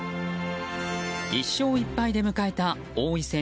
１勝１敗で迎えた王位戦